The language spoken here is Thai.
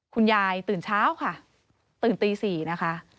คุณยายตื่นเช้าค่ะตื่นตี๔นะคะ